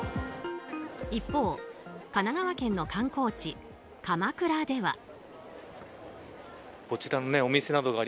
一方、神奈川県の観光地鎌倉では。